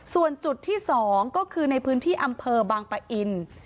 ส่วนจุดที่๒ก็คือในพื้นที่อำเภอบางปะอิน